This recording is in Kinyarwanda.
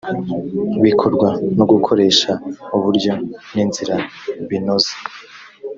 bikorwa no gukoresha uburyo n inzira binoze